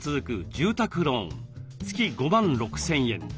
住宅ローン月５万６，０００円。